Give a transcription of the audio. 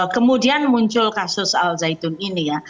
kemudian muncul kasus al zaitun ini ya